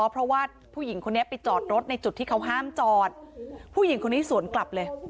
เพราะว่าผู้หญิงคนนี้ไปจอดรถในจุดที่เขาห้ามจอดผู้หญิงคนนี้สวนกลับเลย